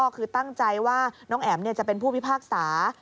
คือตั้งใจว่าน้องแอ๋มจะเป็นผู้พิพากษา